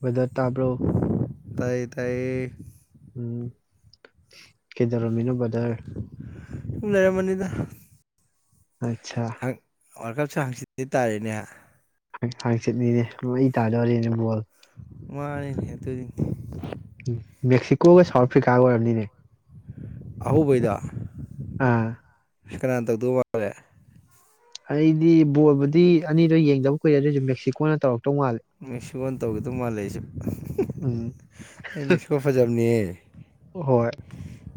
weather ꯇꯥꯕ꯭ꯔꯣ ꯇꯥꯏ ꯇꯥꯏꯌꯦ ꯎꯝ ꯀꯩꯗꯔꯝꯃꯤꯅꯣꯕꯗꯔ ꯁꯨꯝ ꯂꯩꯔꯝꯕꯅꯤꯗ ꯑꯆꯥ ꯋꯥꯔꯜ ꯀꯞꯁꯨ ꯍꯪꯆꯦ ꯇꯥꯔꯦꯌꯦꯍꯥ ꯍꯥꯡꯆꯤꯠꯅꯤꯅꯦ ꯃꯩ ꯇꯥꯗꯧꯔꯤꯅꯦ ꯕꯥꯜꯂ ꯃꯥꯅꯤꯅꯦꯍꯦ ꯁꯨ ꯃꯦꯛꯁꯤꯀꯣꯒ ꯁꯥꯎꯠ ꯑꯐ꯭ꯔꯤꯀꯥꯒ ꯑꯣꯏꯔꯅꯤꯅꯦ ꯑꯍꯧꯕꯩꯗꯣ ꯑꯥ ꯑ ꯀꯅꯥꯅ ꯇꯧꯗꯣꯏ ꯃꯥꯜꯂꯦ ꯑꯩꯗꯤ ꯕꯣꯜꯕꯨꯗꯤ ꯑꯅꯤꯗꯣ ꯌꯦꯡꯗꯕ ꯀꯨꯏꯔꯦ ꯑꯗꯨꯑꯣꯏꯁꯨ ꯃꯦꯛꯁꯤꯀꯣꯅ ꯇꯧꯔꯛ ꯃꯤꯁꯨꯣꯟꯟ ꯇꯧꯒꯤꯁꯣꯏ ꯃꯥ ꯑꯩ ꯎꯝ ꯑꯩ ꯃꯤꯦꯁꯀ ꯍꯣ ꯐꯖꯥꯅꯤ ꯍꯣꯏ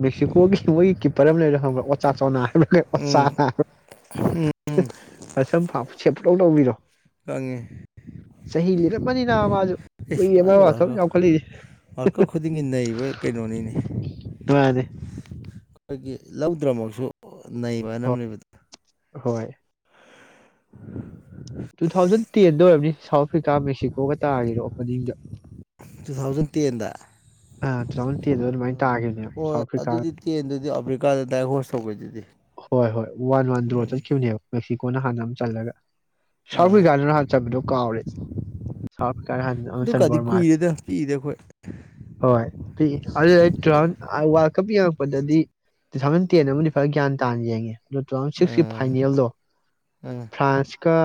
ꯃꯦꯛꯁꯤꯀꯣꯒꯤ ꯃꯣꯏꯒꯤ ꯀꯤꯞꯄꯔ ꯑꯃ ꯂꯩꯔꯦ ꯈꯪꯕ꯭ꯔꯥ ꯑꯣꯆꯥꯥꯛ ꯆꯣꯅꯥ ꯏꯒꯠ ꯃꯆꯥ ꯎꯝ ꯝ ꯃꯁꯣꯟ ꯐ ꯁꯦ ꯄꯨꯂꯧ ꯇꯧꯕꯤꯔꯣ ꯈꯟꯒꯦ ꯁꯍꯤ ꯏꯜꯔꯦ ꯃꯅꯤ ꯅ ꯃꯁꯨ ꯑꯩꯃꯅ ꯋꯥꯔꯀ ꯈꯨꯗꯤꯡꯒꯤ ꯅꯕ ꯀꯩꯅꯣꯅꯤ ꯍ ꯑꯗꯨ ꯑꯩꯈꯣꯏꯒꯤ ꯂꯧꯗ꯭ꯔꯃꯛꯁꯨ ꯅ ꯃꯥ ꯅ ꯍꯣꯏ ꯄ ꯍꯣꯏ ꯇꯨ ꯊꯥꯎꯖꯟ ꯇꯌꯦꯗ ꯑꯣꯏꯔꯕꯅꯤ ꯁꯥꯎꯠ ꯑꯐ꯭ꯔꯤꯀꯥ ꯃꯦꯛꯁꯤꯀꯣꯒ ꯇꯥꯒꯤꯔꯣ ꯑꯣꯄꯅꯤꯡꯗ ꯇꯨ ꯊꯥꯎꯖꯟ ꯇꯦꯟꯗ ꯑ ꯇꯨ ꯊꯥꯎꯖꯟ ꯇꯦꯟꯗ ꯑꯗꯨꯃꯥꯏꯅ ꯇꯥꯈꯤꯕꯅꯦ ꯍꯣꯏ ꯁꯥꯎꯠ ꯑꯐ꯭ꯔꯤꯀꯥꯗ ꯑꯗꯨꯗꯤ ꯇꯦꯟꯗꯨꯗꯤ ꯑꯐ꯭ꯔꯤꯀꯥꯗ ꯗꯥꯏ ꯍꯣꯁ ꯇꯧꯕꯩꯗꯨꯗꯤ ꯍꯣꯏ ꯍꯣꯏ ꯋꯥꯟ ꯋꯥꯟ ꯗ꯭ꯔꯣ ꯎꯝ ꯆꯠꯈꯤꯕꯅꯦꯕ ꯃꯦꯛꯁꯤꯀꯣꯅ ꯍꯥꯟꯅ ꯑꯃ ꯆꯜꯂꯒ ꯁꯥꯎꯠ ꯑꯥ ꯑꯐ꯭ꯔꯤꯀꯥꯗꯨꯅ ꯍꯥꯟ ꯆꯠꯕꯗꯣ ꯀꯥꯎꯔꯦ ꯁꯥꯎꯠ ꯑꯐ꯭ꯔꯤꯀꯥꯗ ꯍ ꯑꯃꯟ ꯑꯗꯨꯀꯥꯟꯗꯤ ꯕꯣꯔꯃꯥꯜ ꯀꯨꯏꯔꯦꯗ ꯄꯤꯛꯏꯗ ꯑꯩꯈꯣꯏ ꯍꯣꯏ ꯀꯞ ꯌꯦꯡꯉꯛꯄꯗꯗꯤ ꯇꯨ ꯊꯥꯎꯖꯟ ꯇꯦꯟ ꯑꯃꯗꯤ ꯐꯔ ꯒ꯭ꯌꯥꯟ ꯇꯥꯅ ꯌꯦꯡꯉꯦ ꯇꯨ ꯊꯥꯎꯖꯟ ꯁꯤꯛꯁꯀꯤ ꯑꯥ ꯐꯥꯏꯅꯦꯜꯗꯣ ꯑꯥ ꯐ꯭ꯔꯥꯟꯁꯀ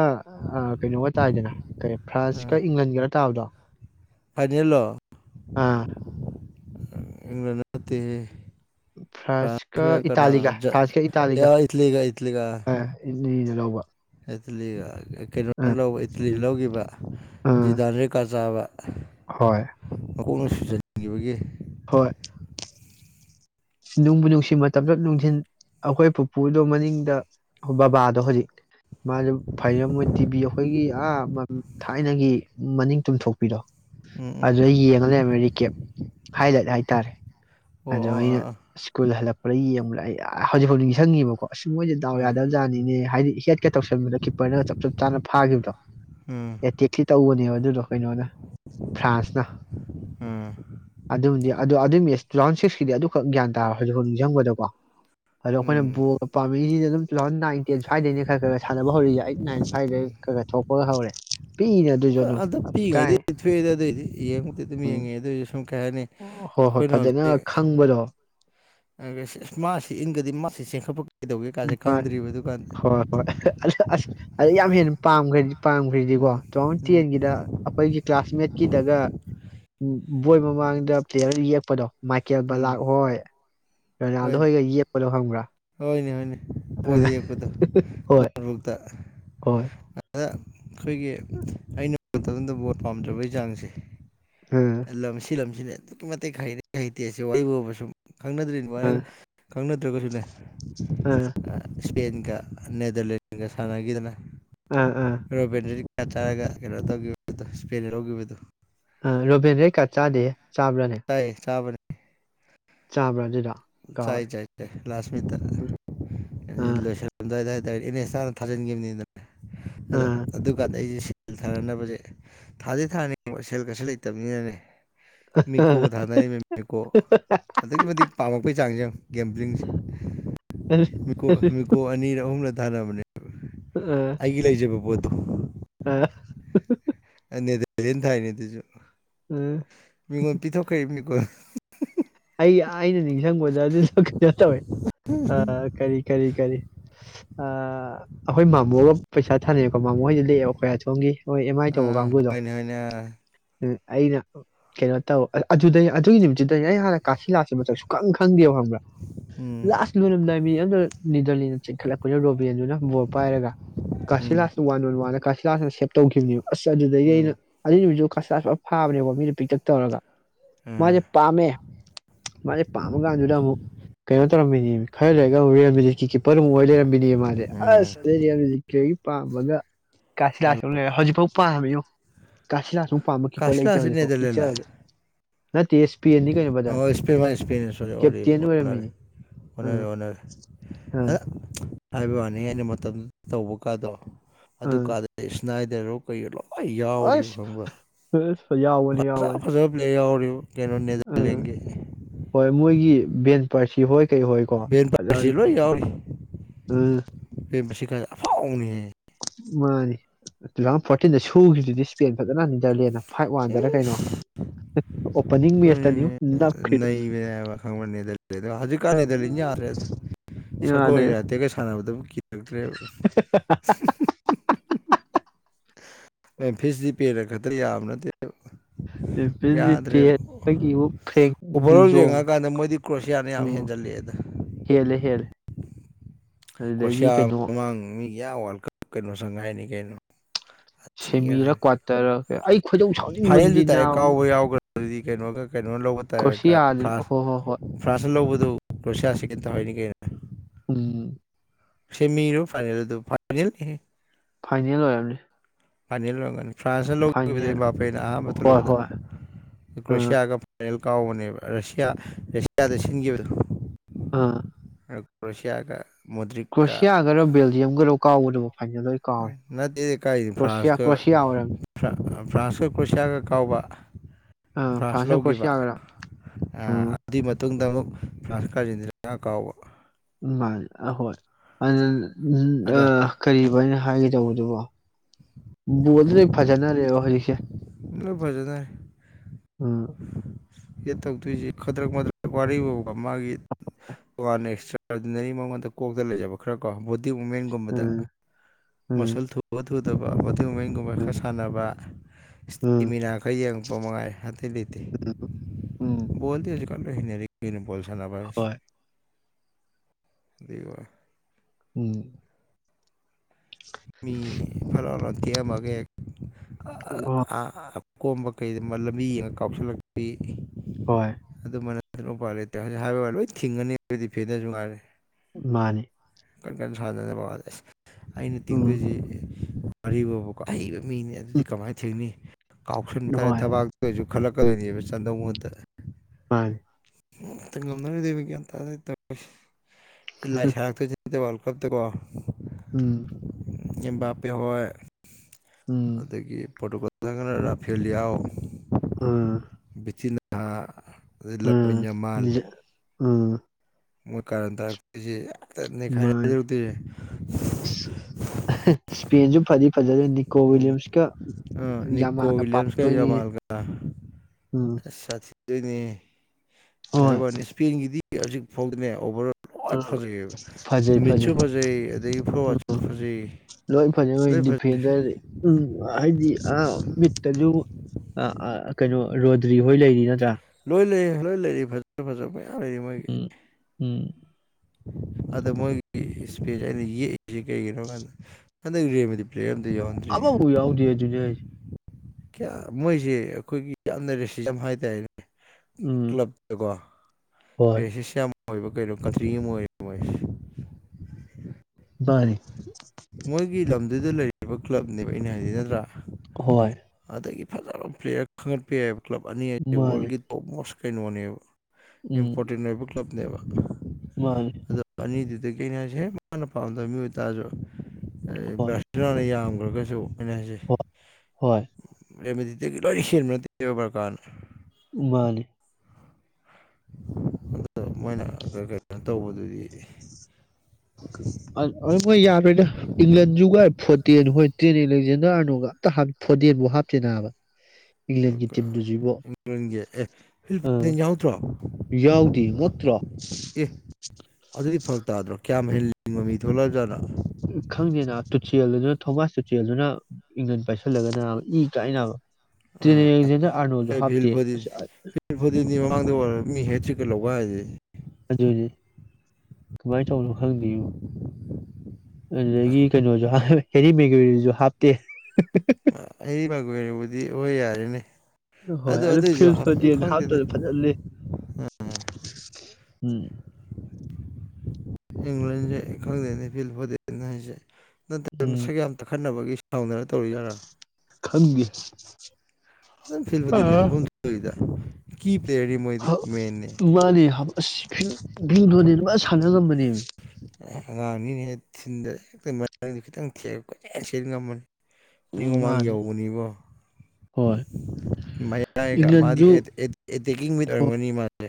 ꯀꯩꯅꯣꯒ ꯇꯥꯏꯗꯅ ꯀ ꯐ꯭ꯔꯥꯟꯁꯀ ꯏꯪꯂꯟꯒꯔ ꯇꯥꯕꯗꯣ ꯐꯗꯤꯂꯣ ꯑꯥ ꯏꯪꯂꯪꯂꯠꯇ ꯍ ꯐ꯭ꯔꯥꯟꯁ ꯀ ꯏꯇꯥꯂꯤ ꯀ ꯐ꯭ꯔꯥꯟꯁ ꯀ ꯏꯇꯥꯂꯤ ꯀ ꯂꯤꯂꯒ ꯅꯤꯅ ꯂꯧꯕ ꯑꯦꯠ ꯀꯩꯅ ꯑꯥ ꯂ ꯏꯂꯤ ꯂ ꯈꯤꯕ ꯑꯥ ꯖꯤꯗꯥꯅꯦ ꯔꯦ ꯀ ꯆꯥꯎꯕ ꯍꯣꯏ ꯃꯀꯣꯛꯅ ꯁꯨꯖꯟꯈꯤꯕꯒꯤ ꯍꯣꯏ ꯅꯨꯡꯕꯨ ꯅꯨꯡꯁꯤ ꯃꯇꯝ ꯆꯨꯞ ꯅꯨꯡꯊꯤꯟ ꯑꯩꯈꯣꯏ ꯄꯨꯄꯨꯗꯣ ꯃꯅꯤꯡꯗ ꯕꯕꯥꯗꯣ ꯍꯧꯖꯤꯛ ꯃꯥꯗ ꯐꯩꯅ ꯃꯣꯏ ꯇꯤꯕꯤ ꯑꯩꯈꯣꯏꯒꯤ ꯑꯥ ꯊꯥꯏꯅꯒꯤ ꯃꯅꯤꯡ ꯇꯨꯝꯊꯣꯛꯄꯤꯔꯣ ꯎꯝ ꯎꯝ ꯑꯗꯨ ꯑꯩ ꯌꯦꯡꯉ ꯂꯩꯔꯝꯃꯦ ꯔꯤꯀꯦꯞ ꯍꯥꯏ ꯂꯥꯏꯠ ꯍꯥꯏꯇꯥꯔꯦ ꯑꯣ ꯑꯗꯣ ꯑꯩꯅ ꯑꯣ ꯑꯥ ꯣꯏꯜ ꯍꯜꯂꯛꯄꯥ ꯌꯦꯡꯕ ꯑꯩ ꯍꯧꯖꯤꯛꯐꯖꯤꯛ ꯅꯤꯡꯁꯤꯡꯪꯉꯤꯕꯀꯣ ꯑꯁ ꯃꯣꯏꯗꯤ ꯗꯥꯎ ꯌꯥꯗꯕ ꯖꯥꯠꯅꯤꯅꯦ ꯍꯥꯏꯗꯤ ꯍꯦꯠꯀ ꯇꯧꯁꯟꯕꯗ ꯀꯤꯞꯄꯔꯅꯒ ꯆꯞ ꯆꯞ ꯆꯥꯅ ꯐꯥꯈꯤꯕꯗꯣ ꯎꯝ ꯑꯦꯇꯦꯛꯁꯤꯤ ꯇꯧꯕꯅꯦꯕ ꯑꯗꯨꯗꯣ ꯀꯩꯅꯣꯅ ꯐ꯭ꯔꯥꯟꯁꯅ ꯎꯝ ꯑꯗꯨꯕꯨꯗꯤ ꯑꯗꯣ ꯑꯗꯨꯒꯤ ꯃꯤꯁ ꯇꯨ ꯊꯥꯎꯖꯟ ꯁꯤꯛꯁꯀꯤꯗꯤ ꯑꯗꯨ ꯒ꯭ꯌꯥꯟ ꯇꯥꯔ ꯍꯧꯖꯤꯛꯐ ꯅꯤꯡꯁꯤꯡꯕꯗꯀꯣ ꯍꯥꯏ ꯑꯣꯈꯅ ꯎꯝ ꯄꯝ ꯑꯗꯨꯝ ꯇꯨ ꯊꯥꯎꯖꯟ ꯅꯥꯏꯟ ꯇꯦꯟ ꯁ꯭ꯋꯥꯏꯗꯗꯒꯤꯩꯅ ꯈꯔ ꯈꯔ ꯁꯥꯟꯅꯕ ꯍꯧꯔꯤꯁꯦ ꯑꯩꯠ ꯅꯥꯏꯟ ꯁ꯭ꯋꯥꯏꯗꯩ ꯈ ꯊꯣꯛꯄꯒ ꯍꯧꯔꯦ ꯄꯤꯛꯏꯅ ꯑꯗꯨꯁꯨ ꯑꯗꯨꯝ ꯑ ꯀꯥꯏ ꯄꯤꯛꯉꯩꯗꯤ ꯊꯣꯛꯨꯏꯗ ꯑꯗꯨꯑꯣꯏꯗꯤ ꯌꯦꯡꯉꯗꯦ ꯑꯗꯨꯝ ꯎꯝ ꯌꯦꯡꯉꯤꯦ ꯑꯗꯨꯏ ꯁꯨꯝ ꯀꯩ ꯍꯥꯏꯅꯤ ꯍꯣꯏ ꯍꯣꯏ ꯑꯩꯈꯣꯏꯅ ꯐꯖꯅ ꯍꯧꯖꯤꯛ ꯈꯪꯕꯗꯣ ꯃꯥꯁꯤ ꯏꯟꯒꯗꯤ ꯃꯥꯁꯤ ꯆꯦꯟꯈꯠꯄ ꯀꯩꯗꯧꯒꯦ ꯀꯥꯁꯦ ꯈꯪꯗ꯭ꯔꯤꯕ ꯑꯗꯨꯀꯥꯟꯗ ꯍꯣꯏ ꯍꯣꯏ ꯑꯁ ꯑ ꯌꯥꯝ ꯍꯦꯟꯅ ꯄꯥꯝꯈ꯭ꯔꯅꯤ ꯄꯥꯝꯈ꯭ꯔꯤꯗꯤꯀꯣ ꯎꯝ ꯇꯨ ꯊꯥꯎꯖꯟ ꯎꯝ ꯇꯦꯟꯒꯤꯗ ꯑꯩꯈꯣꯏꯒꯤ ꯀ꯭ꯂꯥꯁꯃꯦꯠꯀꯤꯗꯒ ꯕꯣꯏ ꯃꯃꯥꯡꯗ ꯄ꯭ꯂꯦꯌꯔ ꯌꯦꯛꯄꯗꯣ ꯃꯥꯏꯀꯦꯜ ꯕꯂꯛ ꯎꯝ ꯍꯣꯏ ꯀꯥꯗꯣꯏꯒ ꯌꯦꯄꯣꯪꯕ꯭ꯔꯅꯤ ꯍꯣꯏꯅꯤ ꯍꯅꯦ ꯑ ꯍꯣꯏ ꯍꯣꯏ ꯍ ꯑꯩꯈꯣꯏꯒꯤ ꯑꯩꯅ ꯑꯗꯨ ꯃꯇꯝꯗ ꯕꯣꯠ ꯄꯥꯝꯖꯕꯒꯤ ꯆꯥꯡꯁꯦ ꯑ ꯂꯝꯁꯤ ꯂꯝꯁꯤꯅꯦ ꯃꯇ ꯈ ꯍꯥꯏꯦꯕꯨ ꯈꯪꯅꯗ꯭ꯔꯤꯅꯤꯅꯨꯡ ꯋꯥꯒ ꯈꯪꯅꯗ꯭ꯔꯒꯁꯨꯅꯦ ꯑꯝ ꯏꯁ꯭ꯄꯦꯟꯒ ꯅꯦꯗꯔꯂꯦꯟꯀ ꯁꯥꯟꯅ ꯀꯈꯤꯗꯅꯅꯥ ꯎꯝ ꯎꯝ ꯆ ꯆꯥꯔꯒ ꯀꯩꯅꯣ ꯇꯧꯈꯤꯕꯗꯣ ꯏꯁꯄꯦꯔꯤ ꯂꯧꯈꯤꯕꯗꯣ ꯑ ꯔꯣꯕꯟ ꯔꯦꯈꯥ ꯆꯥꯗꯦ ꯆꯥꯕ꯭ꯔꯥꯅꯦ ꯇꯥꯏꯌꯦ ꯆꯕ [unintelligible] ꯆꯥꯕ꯭ꯔꯥ ꯑꯗꯨꯗꯣ ꯆꯥꯏ ꯀꯥꯎꯔꯦ ꯆꯥꯏ ꯆꯥꯏ ꯂꯥꯁꯃꯤꯠꯇ ꯑꯥ ꯂꯣꯏꯁꯜꯂꯝꯗꯥꯏ ꯑꯗꯥꯏꯗ ꯇꯗꯥ ꯑꯦꯟ ꯑꯦ ꯏꯁꯥꯅ ꯊꯥꯖꯤꯟꯈꯤꯕꯅꯤꯅ ꯑ ꯑꯥ ꯑꯗꯨꯥꯟꯗ ꯑꯩ ꯁꯦꯜ ꯊꯥꯔꯅꯕꯁꯦ ꯊꯥꯗꯤꯩ ꯊꯥꯅꯤ ꯁꯦꯜ ꯀꯁꯨ ꯂꯩꯇꯕꯅꯤꯅꯅꯦ ꯃꯤꯀꯣ ꯑꯥ ꯊꯥꯅꯏ ꯃꯤꯀꯣ ꯑꯗꯨꯒꯤ ꯃꯇꯤꯛ ꯄꯥꯝꯃꯛꯄꯩ ꯆꯥꯡꯁꯦ ꯒꯦꯝꯕ꯭ꯂꯤꯡꯁꯦ ꯃꯤꯀꯣ ꯃꯤꯀꯣ ꯑꯅꯤꯔ ꯑꯍꯨꯝꯂ ꯊꯥꯕꯅꯤ ꯑꯩꯒꯤ ꯂꯩꯖꯕ ꯄꯣꯠ ꯑ ꯅꯦꯗꯔꯂꯦꯟ ꯊꯥꯏꯅꯦ ꯑꯗꯨꯁꯨ ꯎꯝ ꯃꯉꯣꯟ ꯄꯤꯊꯣꯛꯈꯩ ꯃꯤꯒꯣꯟ ꯎ ꯑꯩ ꯑꯩꯅ ꯅꯤꯡꯁꯤꯡꯕ ꯂ ꯑ ꯈꯔꯤ ꯈꯔꯤꯔꯤ ꯑ ꯑꯩꯈꯣꯏ ꯃꯥꯃꯣꯒ ꯄꯩꯁꯥ ꯊꯥꯅꯩꯀꯣ ꯃꯃꯣꯍꯣꯏꯗ ꯂꯦꯛꯑꯦ ꯑꯩꯈꯣꯏ ꯑꯊꯣꯝꯒꯤ ꯍꯣꯏ ꯑꯦꯝ ꯑꯥꯏ ꯇꯧꯕ ꯑꯥ ꯀꯥꯡꯕꯨꯗꯣ ꯍꯣꯏꯅꯦ ꯍꯣꯏꯅꯦ ꯑꯥ ꯑꯩꯅ ꯀꯩꯅꯣ ꯇꯧ ꯑꯗꯨꯗꯩ ꯑꯗꯨꯒꯤ ꯅꯨꯃꯤꯠꯇꯨꯗꯩꯅ ꯑꯩ ꯍꯥꯟꯅ ꯀꯁꯤꯂ ꯃ ꯀꯪ ꯈꯪꯗꯦꯕ ꯈꯪꯕ꯭ꯔꯥ ꯎꯝ ꯂꯥꯁ ꯂꯣꯏꯔꯝꯗꯥꯏ ꯃꯤ ꯑꯝꯇ ꯅꯤꯡꯖꯅꯤꯖ ꯆꯤꯡꯈ ꯂꯛꯄꯅ ꯔꯣ ꯌꯦꯅꯤꯅ ꯕꯣꯜ ꯄꯥꯏꯔꯒ ꯎꯝ ꯀꯥꯁꯤꯂꯥꯁ ꯋꯥꯟ ꯋꯥꯟ ꯋꯥ ꯀꯁꯤ ꯆꯥꯁꯤꯅ ꯁꯦꯞ ꯇꯧꯈꯤꯕꯅꯤ ꯑꯁ ꯑꯗꯨꯗꯒꯤꯩꯅ ꯎꯝ ꯑꯗꯨꯕꯤꯣ ꯀꯁ ꯄꯨꯔ ꯐꯥꯕꯅꯦꯕ ꯃꯤꯗ ꯄꯤꯛꯇꯛ ꯇꯧꯔꯒ ꯑꯥ ꯃꯥꯣꯏꯁ ꯄꯝꯃꯦ ꯃꯥꯁꯦ ꯄꯥꯝꯃ ꯀꯥꯟꯗꯨꯗ ꯑꯃꯨꯛ ꯀꯩꯅꯣ ꯇꯧꯔꯝꯃꯤꯅꯦ ꯈꯔ ꯂꯩꯔꯒ ꯑꯃꯨꯛ ꯃꯦ ꯀꯤꯄꯔ ꯑꯃꯨꯛ ꯑꯣꯏ ꯂꯩꯔ ꯂꯩꯔꯝꯃꯤꯅꯦꯃꯦ ꯃꯖꯦ ꯑꯥ ꯑꯗꯥꯒꯤ ꯑꯁ ꯄꯥꯕꯒ ꯀꯁꯤꯂꯁꯕ ꯍꯖꯤ ꯐꯥꯎ ꯄꯄꯥ ꯌ ꯀꯁꯤ ꯂ ꯁꯨꯡ ꯐꯃꯄ ꯂꯩꯇ ꯀꯥꯁꯤꯂꯥꯁꯦ ꯍꯧꯦ ꯐꯥꯎ ꯅꯦꯗꯔꯂꯦꯟꯂ ꯄꯤꯆꯔꯦ ꯅ ꯑꯦꯁ ꯄꯤ ꯑꯦꯅꯤ ꯀꯩꯅ ꯛꯁꯄꯤ ꯃꯥ ꯑꯦꯛꯁꯄꯤꯔꯤꯌꯦꯟꯁ ꯑꯣꯏ ꯑꯣꯗꯤ ꯑꯣꯔ ꯑꯣꯏꯔꯝꯃꯤꯅꯤ ꯑꯣꯅꯔ ꯑꯥ ꯑꯣꯅꯔꯦ ꯑꯥ ꯍꯥꯏꯕ ꯋꯥꯅꯤ ꯑꯩꯅ ꯃꯇꯝꯗꯨ ꯇꯧꯕ ꯀꯥꯗꯣ ꯑꯗꯨ ꯑꯥ ꯀꯥꯗ ꯅꯥꯏꯗꯔꯣ ꯀꯩꯔꯣ ꯂꯣꯏ ꯌꯥꯎꯔꯤꯕ ꯈꯪꯕ꯭ꯔꯥ ꯑꯁ ꯐ ꯌꯥꯅꯤ ꯐꯖ ꯌꯥꯅꯤ ꯐꯖꯕ ꯄ꯭ꯂꯦꯌꯔ ꯌꯥꯎꯔꯤꯕ ꯀꯩꯅꯣ ꯑꯥ ꯅꯦꯗꯔꯂꯦꯟꯒꯤ ꯍꯣꯏ ꯃꯣꯏꯒꯤ ꯕꯦꯟ ꯄꯥꯔꯁ ꯀꯍꯣꯏ ꯁꯤꯂꯣ ꯎꯝ ꯌꯥꯎꯔꯤꯁꯤ ꯑꯐꯥꯎ ꯑꯅꯤ ꯃꯥꯅꯤ ꯇꯨ ꯊꯥꯎꯖꯟ ꯐꯣꯔꯇꯤꯟꯗ ꯁꯨꯈ꯭ꯗꯨꯗꯤ ꯁꯄꯦꯟ ꯐꯖꯅ ꯍꯟꯖꯂꯦꯅ ꯐꯥꯏꯚ ꯋꯥꯟꯗꯔ ꯀꯩꯅꯣ ꯏꯁ ꯑꯣꯄꯅꯤꯡ ꯃꯦꯠꯁꯇꯅꯤ ꯁꯣꯏꯅꯤꯅꯦ ꯅꯞꯈ꯭ꯔꯤꯗ ꯍꯧꯖꯤꯛ ꯀꯥꯟꯉꯩꯗ ꯂꯅ ꯌꯥꯔꯦ ꯁꯒꯣꯜ ꯌꯥꯗ꯭ꯔꯦ ꯅꯥꯇꯦꯒ ꯁꯥꯟꯅꯕꯗ ꯀꯤꯔꯛꯇ꯭ꯔꯦꯕ ꯐꯤꯁꯇ ꯄꯦꯔ ꯈꯛꯇ ꯌꯥꯕ ꯅꯠꯇꯦ ꯂꯤꯄꯤ ꯂꯤꯄꯒꯤ ꯐ꯭ꯔꯦꯡ ꯑꯣꯚꯔꯑꯣꯜ ꯗꯤꯖꯣꯡ ꯌꯦꯡꯉꯀꯥꯟꯗ ꯃꯣꯏꯗꯤ ꯀ꯭ꯔꯣꯁꯤꯌꯥꯅ ꯌꯥꯝ ꯎꯝ ꯍꯦꯟꯖꯜꯂꯛꯑꯦꯗ ꯍꯦꯜꯂꯦ ꯍꯦꯜꯂꯦ ꯑꯗꯨꯗꯒꯤ ꯀꯣꯁꯤꯌꯥ ꯀꯩꯅꯣ ꯃꯃꯥꯡ ꯃꯤꯒꯤ ꯌꯥ ꯋꯥꯔꯜ ꯀꯞ ꯀꯩꯅꯣ ꯁꯉꯥꯏꯅꯤ ꯀꯩꯅ ꯁꯦꯝꯃꯤꯔ ꯀ꯭ꯋꯥꯇꯔ ꯑꯩ ꯈꯣꯏꯗꯧ ꯁꯥꯎꯅꯤꯡꯕꯗꯨꯗꯤ ꯅꯍ ꯑꯃꯨꯛ ꯇ ꯀꯩꯅꯅꯣꯒ ꯀꯩꯅꯣ ꯍꯣꯏ ꯍꯣꯏ ꯍꯣꯏ ꯐ꯭ꯔꯥꯟꯧꯕ ꯑꯗꯨ ꯀꯣꯁꯤꯌꯥꯁꯤꯦꯀꯈꯤ ꯍꯣꯏꯅꯤꯀꯦ ꯎꯝ ꯁꯤꯃꯤꯔꯣ ꯐꯜ ꯐ ꯐꯥꯏꯅꯦꯜ ꯑꯣꯏꯝꯅꯦ ꯄꯅꯤꯂ ꯂꯣꯒꯅꯤ ꯐ꯭ꯔꯥꯟꯁꯅ ꯂꯧꯈꯤꯕꯗ ꯏꯃꯥꯄꯩꯅ ꯑꯍꯥꯟꯕ ꯍꯣꯏ ꯊꯣꯛꯂꯛꯄꯗ ꯍꯣꯏ ꯑꯥ ꯀ꯭ꯔꯣꯁꯤꯌꯥꯒ ꯐꯥꯏꯅꯦꯜ ꯀꯥꯎꯕꯅꯦꯕ ꯔꯁꯤꯌꯥ ꯔꯁꯤꯌꯥꯗ ꯁꯤꯟꯈꯤꯕꯗꯣ ꯑꯥ ꯀ꯭ꯔꯣꯁꯤꯌꯥꯒ ꯃꯣꯗ꯭ꯔꯤꯛꯀ ꯀ꯭ꯔꯣꯁꯤꯌꯥꯒꯔꯣ ꯕꯦꯜꯖꯤꯌꯝꯒꯔꯣ ꯀꯥꯎꯕꯅ ꯅ ꯀꯥꯏ ꯐ꯭ꯔꯥꯟꯁ ꯀ꯭ꯔꯣꯁꯤꯌꯥ ꯀ ꯀ꯭ꯔꯣꯁꯤꯌꯥ ꯑꯣꯏꯔꯝꯅꯤ ꯐ ꯐ꯭ꯔꯥꯟꯁꯀ ꯀ꯭ꯔꯣꯁꯤꯌꯥꯒ ꯀꯥꯎꯕ ꯑꯥ ꯐ꯭ꯔꯥꯟꯁ ꯐ꯭ꯔꯥꯟꯁꯀ ꯂꯧꯈꯤꯕ ꯀ꯭ꯔꯣꯁꯤꯌꯥꯒꯔ ꯑꯥ ꯑꯗꯨ ꯃꯇꯨꯡꯗ ꯑꯃꯨꯛ ꯐ꯭ꯔꯥꯟꯁ ꯀꯥꯔꯖꯦꯟꯇꯤꯅꯥ ꯀꯥꯎꯕ ꯃꯥ ꯍꯣꯏ ꯎꯝ ꯑ ꯑꯗ ꯀꯔꯤꯅ ꯍꯥꯏꯒꯦ ꯇꯧꯕꯗꯨꯕꯣ ꯕꯣꯗꯨꯗ ꯐꯖꯅꯔꯦꯕ ꯍꯧꯖꯤꯛꯁꯦ ꯏ ꯐꯖꯗ ꯎꯝ ꯍ ꯇꯧꯗꯣꯏꯁꯦ ꯈꯗ꯭ꯔꯛ ꯃꯗ꯭ꯔꯛ ꯋꯥꯔꯤ ꯋꯥꯕꯀ ꯃꯥꯒꯤ ꯇꯣꯉꯥꯟꯅ ꯑꯦꯛꯁꯇ꯭ꯔꯥ ꯑꯣꯔꯗꯤꯅꯔꯤ ꯃꯉꯣꯟꯗ ꯀꯣꯛꯇ ꯂꯩꯖꯕ ꯈꯔꯀꯣ ꯗꯤ ꯋꯨꯃꯦꯟꯒꯨꯝꯕꯗ ꯎꯝ ꯎꯝ ꯃꯁꯜ ꯊ ꯇꯗꯕ ꯃꯦꯟ ꯀꯕꯥꯥꯏꯈ ꯁꯥꯟꯅꯕꯕꯥ ꯎꯝ ꯏꯁꯇꯦꯃꯤꯅꯥꯈꯩ ꯌꯦꯡ ꯃꯉꯥꯏ ꯍꯥꯏ ꯎꯝ ꯣ ꯍ ꯀꯣꯜ ꯁꯅꯥꯕꯥꯥꯏꯁ ꯍꯣꯏ ꯗꯋꯥ ꯎꯝ ꯑꯗꯨꯒ ꯃꯥꯒꯦ ꯍꯣꯏ ꯑꯥ ꯀꯣꯝꯕ ꯀꯩꯗ ꯂꯝꯕꯤ ꯌꯦꯡꯉꯒ ꯀꯥꯎꯁꯤꯜꯂꯛꯂꯤ ꯍꯣꯏ ꯄꯥ ꯍꯧ ꯍꯥꯏꯕ ꯋꯥ ꯂꯣꯏ ꯊꯤꯡꯉꯅꯤ ꯍꯥꯏꯕꯗꯤ ꯐꯤꯅꯁꯨ ꯉꯥꯏꯔꯦ ꯃꯥꯅꯤ ꯀꯔꯀ ꯊ ꯎꯝ ꯇꯒꯨꯁꯤ ꯄ ꯍ ꯀ ꯃꯤꯅꯤ ꯑꯗꯨꯗꯤ ꯀꯃꯥꯏꯅ ꯊꯦꯡꯅꯤ ꯀꯥꯎꯁꯟꯃꯤ ꯎꯝ ꯇꯔꯦ ꯍꯣꯏ ꯊꯕꯒꯗ ꯈꯠꯂꯛꯀꯗꯣꯏꯅꯦꯕ ꯆꯥꯟꯗꯧꯉꯠꯇ ꯍ ꯛꯇ ꯉꯝꯅꯔꯗꯦꯕꯒ꯭ꯌꯥꯟ ꯇꯥ ꯇ ꯂꯩ ꯁꯔꯇ ꯆꯗ ꯐꯠꯇꯀ ꯎꯝ ꯕꯥ ꯑꯄꯦ ꯍ ꯎꯝ ꯑꯗꯒꯤ ꯄꯣꯇꯨꯒꯜ ꯆꯪꯒꯅ ꯔꯐꯦꯜ ꯌꯥꯎ ꯑꯝ ꯎꯆ ꯆꯤ ꯎꯝ ꯎꯝ ꯃꯣꯏ ꯀꯥꯔꯟ ꯇꯥꯔꯛꯇꯣꯏꯁꯤ ꯃꯥꯅꯤ ꯅꯩꯈꯥꯏꯔꯛꯇꯣꯏꯖꯦ ꯄꯦꯟꯁꯨ ꯐꯗꯤ ꯐꯖꯗꯣꯏꯅꯤ ꯂꯤꯀꯣ ꯋꯤꯂꯤꯌꯝꯁꯀ ꯑ ꯌꯥꯝ ꯅꯤꯀꯣ ꯃꯥꯅ ꯋꯤꯂꯤꯌꯝꯁꯀ ꯄꯥꯛꯇꯣꯏꯅꯤꯅꯦ ꯌꯥꯃꯥꯜꯒ ꯎꯝ ꯑꯗꯨꯅꯦ ꯍꯣꯏ ꯕꯣꯟ ꯏꯁꯄꯦꯟꯒꯤꯗ ꯍꯧꯖꯤꯛ ꯐꯥꯎꯗꯤꯅꯦ ꯑꯣꯕꯔ ꯂꯣꯏ ꯎꯝ ꯐꯖꯩꯕ ꯃꯤꯠꯁꯨ ꯐꯖꯩ ꯑꯗꯒꯤ ꯐꯔꯁꯨ ꯎꯝ ꯐꯖꯩ ꯂꯣꯏ ꯐꯖꯅ ꯉꯝꯃꯤ ꯂꯣꯏ ꯐꯖꯩ ꯗꯤꯐꯦꯟꯗꯔ ꯎꯝ ꯍꯥꯏꯗꯤ ꯃꯤꯠꯇꯁꯨ ꯀꯩꯅꯣ ꯔꯣꯗ꯭ꯔꯤ ꯍꯣꯏ ꯂꯩꯔꯤ ꯅꯠꯇ꯭ꯔꯥ ꯍꯣꯏ ꯂꯩꯔꯤ ꯍꯣꯏ ꯂꯩꯔꯤ ꯐꯖ ꯐꯖꯕ ꯃꯌꯥꯝ ꯂꯩꯔꯤ ꯃꯣꯏꯒꯤ ꯎꯝ ꯎꯝ ꯑꯗ ꯃꯣꯏꯒꯤ ꯏꯁꯄꯦꯁ ꯑꯩꯅ ꯌꯦꯛꯏꯁꯦ ꯀꯩꯒꯤꯅꯣ ꯀꯥꯟꯗ ꯍꯟꯗꯛ ꯔꯦꯝꯃꯗꯤ ꯄ꯭ꯂꯦ ꯑꯃ ꯑꯃꯕꯥꯎ ꯌꯥꯎꯗꯦ ꯑꯗꯨꯖꯦ ꯀꯌꯥ ꯃꯣꯏꯁꯦ ꯑꯩꯈꯣꯏꯒꯤ ꯌꯥꯝꯅ ꯔꯦꯁꯤꯖꯝ ꯍꯥꯏꯇꯥꯔꯦꯅꯦ ꯎꯝ ꯀ꯭ꯂ ꯀ꯭ꯂꯕꯇꯒ ꯍꯣꯏ ꯔꯁꯤꯁ ꯌꯥꯝ ꯑꯣꯏꯕ ꯀꯩꯅꯣ ꯀꯟꯇ꯭ꯔꯤ ꯑꯃ ꯑꯣꯏ ꯃꯣꯏ ꯔꯦ ꯃꯣꯏꯒꯤ ꯂꯝ ꯑꯗꯨꯗ ꯂꯩꯔꯤꯕ ꯀ꯭ꯂꯕꯅꯦꯕ ꯑꯩꯅ ꯍꯥꯏꯖ ꯅꯠꯇ꯭ꯔꯥ ꯍꯣꯏ ꯑꯗꯒꯤ ꯐꯖꯕ ꯄ꯭ꯂꯦꯌꯔ ꯈꯪꯒꯠꯄ ꯌꯥꯏꯕ ꯀꯂꯞ ꯑꯅꯤ ꯃꯥꯅꯤ ꯋꯥꯔꯜꯒꯤ ꯇꯣꯞ ꯃꯣꯁ ꯑꯩꯈꯩꯩꯅꯣꯅꯦ ꯎꯝ ꯏꯝꯄꯣꯔꯇꯤꯟ ꯅꯕ ꯇꯅꯦꯕ ꯃꯥꯅꯤ ꯑꯗꯣ ꯑꯅꯤꯗꯤ ꯑꯗꯨꯗꯒꯤꯅꯦ ꯍꯦ ꯃꯥꯅ ꯄꯥꯝꯗꯕ ꯃꯤꯑꯣ ꯑꯣꯏꯇꯥꯔꯁꯨ ꯍꯣꯏ ꯭ꯔꯁꯅ ꯈꯣꯔꯀꯁꯨ ꯃꯁꯦ ꯍꯣꯏ ꯍꯣꯏ ꯔꯦꯃꯦꯗꯤꯗꯒꯤ ꯂꯣꯏꯅ ꯍꯦꯟꯕ ꯅꯠꯇꯦꯕ ꯕꯔꯀꯥꯔꯅ ꯎꯕꯥꯂꯦ ꯑ ꯃꯣꯏꯅ ꯀꯩꯅꯣ ꯇꯧꯕꯗꯨꯗꯤ ꯑ ꯃꯣꯏ ꯌꯥꯔꯣꯏꯗ ꯐꯔꯅꯨꯡ ꯑꯝꯇ ꯐꯣꯟꯗꯦꯟꯕꯨ ꯍꯥꯞꯇꯦꯅꯥꯕ ꯑꯣ ꯏꯦꯟꯒꯤ ꯑꯦ ꯐꯤ ꯑꯥ ꯌꯥꯍꯗ꯭ꯔꯣ ꯌꯥꯎꯗꯦ ꯉꯛꯇ꯭ꯔꯣ ꯑꯦ ꯑꯗꯨꯗꯤ ꯐꯔ ꯇꯥꯗ꯭ꯔꯣ ꯀꯌꯥꯝ ꯍꯜꯂꯤꯕ ꯃꯤ ꯊꯣꯛꯂꯛ ꯖꯠꯅꯣ ꯈꯪꯗꯦꯅ ꯇꯨꯔꯆꯦꯜꯗꯨꯅ ꯊꯧꯕꯥꯁ ꯇꯨꯔꯆꯦꯜꯗꯨꯅ ꯏꯪꯒꯟ ꯄꯥꯏꯁꯤꯜꯂꯒꯅ ꯏ ꯀꯥꯏꯅꯕ ꯑ ꯇꯅ ꯑꯦ ꯐꯤꯜ ꯍꯥꯞꯇ ꯐꯣꯗꯦꯟ ꯐꯤꯜ ꯐꯣꯗꯦꯟꯗꯤ ꯃꯃꯥꯡꯗ ꯃꯤ ꯍꯦꯠ ꯆꯒ ꯂꯧꯒ ꯍꯥꯏꯁꯦ ꯖꯤꯖꯤ ꯀꯃꯥꯏꯅ ꯇꯧꯕꯅꯣ ꯈꯪꯗꯕ ꯑ ꯑꯗꯨꯗꯒꯤ ꯀꯩꯅꯣꯁꯨ ꯍꯥꯏ ꯍꯦꯗꯤ ꯃꯦꯒꯔꯤꯁꯨ ꯍꯥꯞꯇꯦ ꯑꯩ ꯃꯥ ꯕꯨꯗꯤ ꯑꯣꯏ ꯌꯥꯔꯦꯅꯦ ꯍꯣꯏ ꯑꯗꯣ ꯑꯗꯨ ꯑꯗꯨꯏꯁꯨ ꯐꯤꯜ ꯐꯗꯤꯅ ꯈꯪꯗꯦꯗ ꯍꯥꯞꯇꯅ ꯐꯖꯜꯂꯤ ꯎꯝ ꯏꯪ꯭ꯂꯦꯟꯗꯦ ꯈꯪꯅꯤꯅꯤ ꯐꯤꯜ ꯐꯣꯗꯦ ꯅꯅꯥꯁꯤ ꯅꯠꯇ꯭ꯔꯒ ꯎꯝ ꯃꯁꯛꯒ ꯌꯥꯝ ꯇꯛꯈꯠꯅꯕꯒꯤ ꯁꯥꯎꯅꯔ ꯇꯧꯔꯤ ꯌꯥꯔꯥ ꯈꯪꯒ ꯐꯤꯜꯕꯗꯅꯤꯗ ꯀ ꯃꯥꯅꯦ ꯑꯁ ꯤꯡꯗꯣꯔꯅꯦ ꯑꯗꯨ ꯃꯥ ꯑꯁ ꯁꯥꯟꯅ ꯉꯝꯕꯅꯦ ꯊꯤꯟꯗꯔꯦ ꯃꯥꯡꯗꯤꯁꯨꯈꯤꯇꯪ ꯊꯦꯔꯁꯦꯔꯤꯉꯝꯜ ꯃꯅꯤꯡ ꯎꯝ ꯃꯃꯥꯡ ꯃꯥꯅꯦ ꯌꯎꯧꯕꯅꯦꯕ ꯍꯣꯏ ꯃꯌꯥꯏꯒ ꯃꯥꯗꯤ ꯏꯪꯂꯟꯁꯨ ꯑꯦꯇꯦꯛꯀꯤꯡ ꯃꯤꯠ ꯑꯣꯏꯔꯝꯒꯅꯤ ꯃꯥꯁꯦ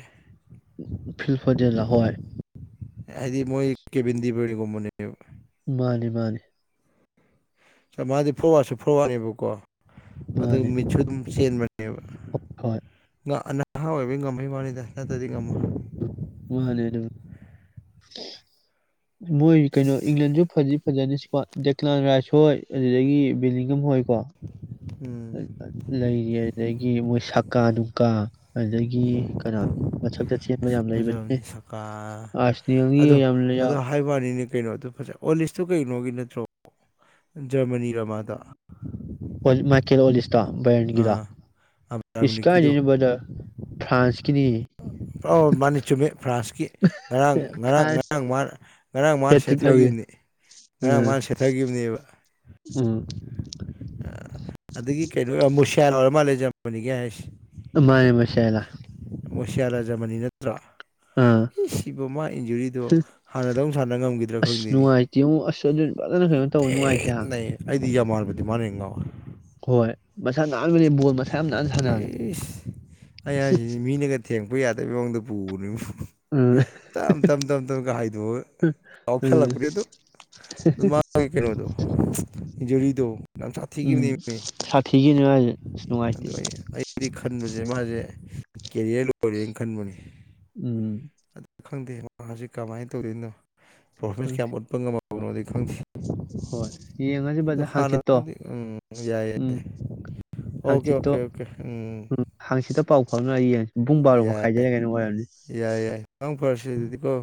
ꯐꯤꯜ ꯐꯣꯗꯦꯜꯂ ꯍꯣꯏ ꯍꯥꯏꯗꯤ ꯃꯣꯏ ꯀꯦꯕꯤꯤꯟꯗꯤꯕꯒ ꯃꯅꯦ ꯌꯦ ꯃꯥꯅꯤ ꯃꯥꯅꯤ ꯃꯥꯗꯤ ꯐꯣꯔꯋꯥꯁꯨ ꯐꯣꯋꯥꯅꯦꯕꯀꯣ ꯑ ꯃꯤꯆ ꯑꯗꯨ ꯁꯤꯦꯟꯕꯅꯦꯕ ꯑꯣꯊꯣꯏ ꯅꯍꯥ ꯑꯣꯏꯕꯒꯤ ꯉꯝꯍꯩ ꯋꯥꯅꯤꯗ ꯅꯠꯇ꯭ꯔꯗꯤ ꯉꯝꯃꯣꯏ ꯋꯥꯍꯅꯤ ꯃꯣꯏ ꯀꯩꯅꯣ ꯏꯪꯂꯦꯟꯁꯨ ꯐꯖꯤ ꯐꯖꯅꯤꯀ ꯗꯦꯂꯥꯟ ꯔꯥꯏꯁ ꯍꯣꯏ ꯑꯗꯨꯗꯒꯤ ꯕꯤꯂꯤꯡꯝ ꯍꯣꯏꯀꯣ ꯎꯝ ꯂꯩꯔꯤ ꯑꯗꯨꯗꯒꯤ ꯃꯣꯏ ꯁꯛ ꯀꯥ ꯅꯨꯡꯀꯥ ꯑꯗꯨꯗꯒꯤ ꯀꯅꯥ ꯃꯊꯛꯇꯦ ꯐꯖꯕꯅꯤ ꯁꯀꯥ ꯑꯥꯔꯁꯅꯦꯜꯒꯤꯒ ꯑꯗꯣ ꯌꯥꯝ ꯑꯗꯣ ꯂꯩ- ꯍꯥꯏꯕꯅꯤꯅꯦ ꯀꯩꯅꯣꯗꯣ ꯐꯖꯩ ꯑꯣ ꯂꯤꯁꯇꯨ ꯀꯩꯅꯣꯒꯤ ꯅꯠꯇ꯭ꯔꯣ ꯎꯝ ꯖꯔꯃꯅꯤ ꯔꯃꯥꯗ ꯀꯣ ꯕꯔꯦꯟꯒꯤꯗ ꯖꯔꯃꯅꯤꯒꯤꯗꯣ ꯏꯁꯀꯥꯏꯕꯗ ꯐ꯭ꯔꯥꯟꯁꯀꯤꯅꯤ ꯑꯣ ꯃꯥꯅꯤ ꯆꯨꯝꯃꯦ ꯐ꯭ꯔꯥꯟꯁꯀꯤ ꯉꯔꯥꯡ ꯉꯔꯥꯡ ꯐ꯭ꯔꯥꯟꯁ ꯉꯔꯥꯡ ꯃꯥꯅ ꯉꯔꯥꯡ ꯃꯥꯅ ꯍꯦꯇ꯭ꯔꯤꯛ ꯂꯧꯋꯤ ꯁꯦꯠꯊꯈꯤꯕꯅꯤ ꯉꯔꯥꯡ ꯃꯥꯅ ꯁꯦꯠꯊꯈꯤꯕꯅꯦꯕ ꯎꯝ ꯑ ꯑꯗꯨꯒꯤ ꯀꯩ ꯃꯨꯁꯤꯌꯥꯜ ꯑꯣꯏꯔ ꯑꯃꯜ ꯂꯩꯖꯝꯕꯅꯤꯒ ꯍꯥꯏꯁꯦ ꯃꯥꯅꯦ ꯃꯁꯥꯂ ꯑꯣꯁꯤꯌꯥ ꯔꯥꯖꯃꯅꯤ ꯅꯠꯇ꯭ꯔꯥ ꯑꯥ ꯑꯦ ꯁꯤꯕ ꯃꯥ ꯏꯟꯖꯨꯔꯤꯗꯣ ꯍꯥꯟꯅꯗꯧ ꯁꯥꯟꯅ ꯉꯝꯈꯤꯗ꯭ꯔꯥ ꯑꯁ ꯈꯪꯗꯦꯅꯤ ꯅꯨꯡꯉꯥꯏꯇꯦꯉꯣ ꯑꯁ ꯑꯗꯨ ꯐꯖꯅ ꯀꯩꯅꯣ ꯇꯧꯋꯤ ꯅꯨꯡꯉꯥꯏꯇꯦ ꯍꯥ ꯇꯤꯖ ꯃꯥꯅꯕꯗꯤ ꯃꯥꯅ ꯌꯦꯡꯉꯣ ꯍꯣꯏ ꯅꯥꯟꯕꯅꯦ ꯕꯣꯜ ꯃꯁꯥ ꯌꯥꯝ ꯅꯥꯟꯅ ꯁꯥꯟꯅꯕꯅꯦ ꯑꯦ ꯑꯩꯁꯤ ꯃꯤꯅꯒ ꯊꯦꯡꯛꯄ ꯌꯥꯗꯕ ꯃꯑꯣꯡꯗ ꯄ ꯄꯨꯅ ꯎꯝ ꯇꯞ ꯇꯞ ꯇꯞ ꯇꯞ ꯀꯍꯥꯏꯗꯨ ꯎꯝ ꯀꯥꯎꯁꯜꯂꯛꯄꯅꯦ ꯑꯗꯨ ꯑꯗꯨ ꯃꯥꯒꯤ ꯀꯩꯅꯣꯗꯣ ꯌꯔꯤꯤꯗꯨ ꯎꯝ ꯁꯥ ꯊꯤꯒꯤꯅ ꯑꯗꯨ ꯑꯩ ꯑꯩꯗꯤ ꯈꯟꯕꯁꯦ ꯃꯥꯁꯦ ꯀꯦꯔꯤꯌꯔ ꯂꯣꯏꯔꯦꯅ ꯈꯟꯕꯅꯤ ꯎꯝ ꯑꯗꯨ ꯈꯪꯗꯦ ꯃꯥꯁꯤ ꯀꯃꯥꯏꯅ ꯇꯧꯗꯣꯏꯅꯣ ꯄꯔꯐꯣꯔꯃꯦꯟꯁ ꯍꯪꯆꯤꯠ ꯀ꯭ꯌꯥꯝꯝꯞ ꯎꯠꯄꯪꯥꯏ ꯇꯧꯅꯗꯤ ꯈꯪꯁꯤ ꯍꯣꯏ ꯌꯦꯡꯉꯁꯤ ꯑꯗꯣ ꯕꯗꯔ ꯍꯥꯡꯆꯤꯠꯇꯣ ꯍꯥꯟꯅꯗꯤ ꯎꯝ ꯌꯥꯏꯑꯦ ꯎꯝ ꯑꯣꯀꯦ ꯍꯥꯡꯆꯤꯠꯇꯣ ꯑꯣꯀꯦ ꯑꯣꯀꯦ ꯎꯝ ꯐꯅꯏꯌꯦꯦ ꯌꯥꯏ ꯌꯥꯏ ꯌꯥꯏ ꯅꯪ ꯐꯔꯁꯤ ꯑꯗꯨꯗꯤꯀꯣ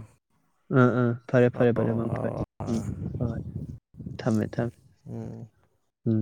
ꯎꯝ ꯎꯝ ꯐꯔꯦ ꯐꯔꯦ ꯐꯔꯦ ꯑꯥꯎ ꯃ ꯐꯔꯦ ꯑꯥꯎ ꯑꯥ ꯎꯝ ꯍꯣꯏ ꯍꯣꯏ ꯊꯝꯃꯦ ꯊꯝꯃꯦ ꯎꯝ ꯎꯝ